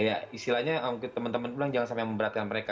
ya istilahnya teman teman bilang jangan sampai memberatkan mereka